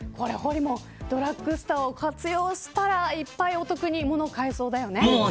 ほりもんドラッグストアを活用したらいっぱい、お得に物が買えそうだよね。